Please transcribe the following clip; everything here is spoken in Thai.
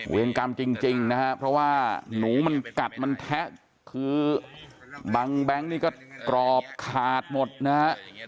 กรรมจริงนะฮะเพราะว่าหนูมันกัดมันแทะคือบังแบงค์นี่ก็กรอบขาดหมดนะฮะ